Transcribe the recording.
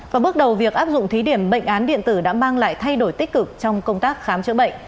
và bước đầu việc áp dụng thí điểm bệnh án điện tử đã mang lại thay đổi tích cực trong công tác khám chữa bệnh